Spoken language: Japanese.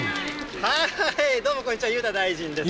どうもこんにちは、裕太大臣です。